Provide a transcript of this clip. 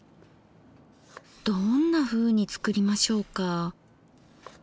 どんなふうに作りましょうか。